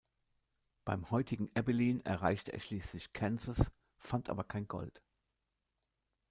Beim heutigen Abilene erreichte er schließlich Kansas, fand aber kein Gold.